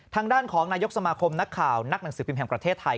ทางด้านของนายกสมาคมนักข่าวนักหนังสือพิมพ์แห่งประเทศไทย